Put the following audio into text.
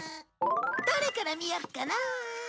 どれから見よっかな。